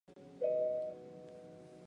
库库龙人口变化图示